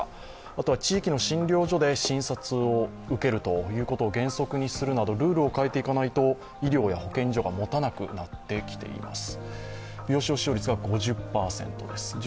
あとは、地域の診療所で診察を受けるということを原則にするなどルールを変えていかないと医療や保健所がもたなくなってきています。